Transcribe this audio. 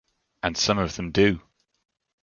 And some of them do.